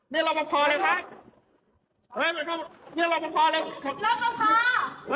นี่รับประพอเลยคะ